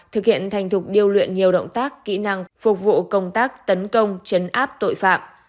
thực hiện thành thục điêu luyện nhiều động tác kỹ năng phục vụ công tác tấn công chấn áp tội phạm